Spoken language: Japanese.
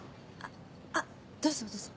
あどうぞどうぞ。